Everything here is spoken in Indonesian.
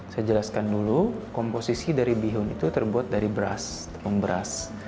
saya jelaskan dulu komposisi dari bihun itu terbuat dari beras tepung beras